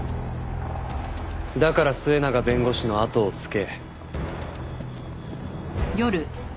だから末永弁護士のあとをつけ。